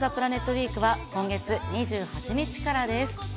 ウィークは、今月２８日からです。